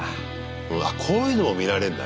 あっこういうのも見られんだね。